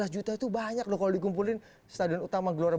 sebelas juta itu banyak loh kalau dikumpulin stadion utama glorabunga